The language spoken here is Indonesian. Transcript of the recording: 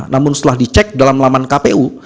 namun setelah dicek dalam laman kpu